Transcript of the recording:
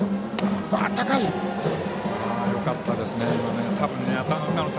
よかったですね、今の。